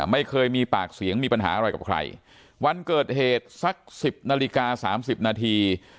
ไม่เคยมีปากเสียงมีปัญหาอะไรกับใครวันเกิดเหตุสักสิบนาฬิกาสามสิบนาที